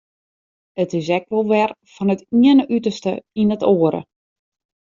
It is ek wol wer fan it iene uterste yn it oare.